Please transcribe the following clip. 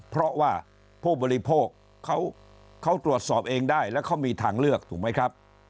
เพราะว่าผู้บริโภคเขาตรวจสอบเองได้แล้วเขามีทางเลือกถูกไหมครับ